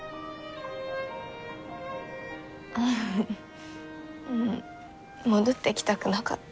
フフフ戻ってきたくなかった。